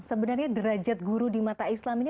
sebenarnya derajat guru di mata islam ini